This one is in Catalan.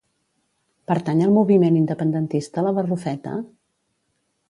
Pertany al moviment independentista la Barrufeta?